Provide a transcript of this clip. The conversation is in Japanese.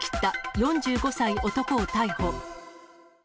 ４５歳男を逮捕。